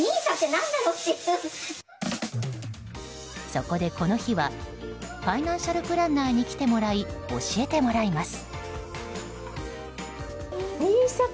そこで、この日はファイナンシャルプランナーに来てもらい、教えてもらいます。